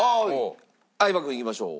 相葉君いきましょう。